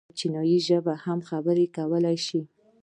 پر چينايي ژبې هم خبرې کولی شي.